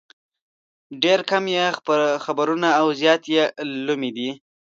ډېر کم یې خبرونه او زیات یې لومې وي.